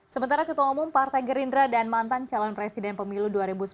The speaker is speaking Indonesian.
sementara ketua umum partai gerindra dan mantan calon presiden pemilu dua ribu sembilan belas